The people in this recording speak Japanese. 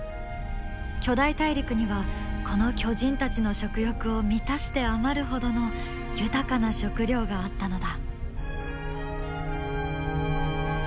巨大大陸にはこの巨人たちの食欲を満たして余るほどの豊かな食料があったのだ。